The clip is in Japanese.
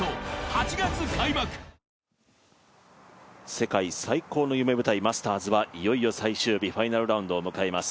世界最高の夢舞台マスターズはいよいよ最終日ファイナルラウンドを迎えます。